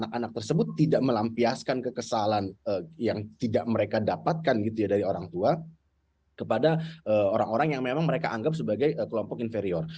anak anak tersebut tidak melampiaskan kekesalan yang tidak mereka dapatkan gitu ya dari orang tua kepada orang orang yang memang mereka anggap sebagai kelompok inferior